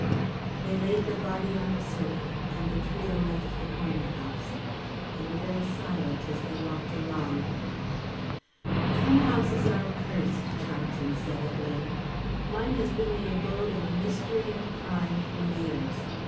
They laid the body on a sofa, and the trio left the Corner House. They were very silent as they walked along. "Some houses are accursed," Charlton said at length. "Mine has been the abode of mystery and crime for years.